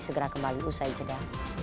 segera kembali usai juga